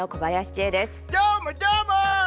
どーも、どーも！